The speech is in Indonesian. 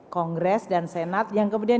kongres dan senat yang kemudian